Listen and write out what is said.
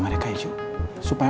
terima kasih pak